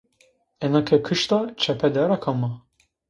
Ena ke kışta çepe dera kama?